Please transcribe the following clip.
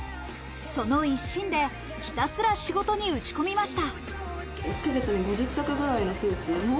その一心でひたすら仕事に打ち込みました。